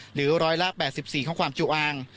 หรือร้อยละ๘๔ของความจุอาง